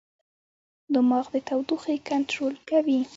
دماغ د تودوخې کنټرول کوي.